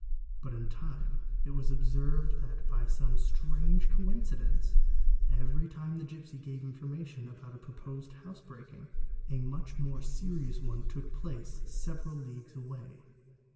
But in time it was observed that, by some strange coincidence, every time the gipsy gave information about a proposed house breaking, a much more serious one took place several leagues away.